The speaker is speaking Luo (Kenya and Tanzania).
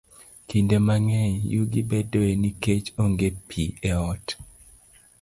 Kinde mang'eny, yugi bedoe nikech onge pi e ot.